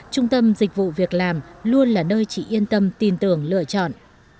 trung tâm dịch vụ việc làm luôn là nơi chị yên tâm tin tưởng lựa chọn